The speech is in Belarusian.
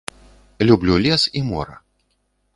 Люблю лес і мора.